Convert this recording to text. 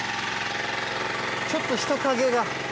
ちょっと人影が。